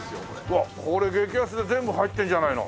うわっこれ激安で全部入ってるじゃないの。